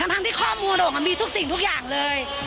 ทั้งที่ข้อมูลหนูมีทุกสิ่งทุกอย่างเลย